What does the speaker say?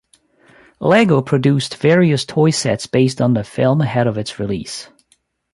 Lego produced various toy sets based on the film ahead of its release.